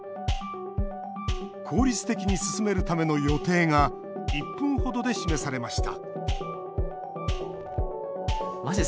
効率的に進めるための予定が１分程で示されました